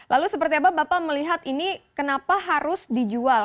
lalu seperti apa bapak melihat ini kenapa harus dijual